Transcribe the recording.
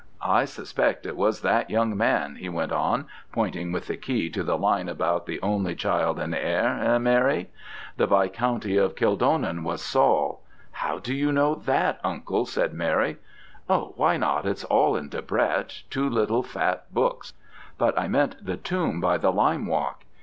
I suspect it was that young man,' he went on, pointing with the key to the line about the 'only Child and Heire.' 'Eh, Mary? The viscounty of Kildonan was Saul.' 'How do you know that, Uncle?' said Mary. 'Oh, why not? it's all in Debrett two little fat books. But I meant the tomb by the lime walk.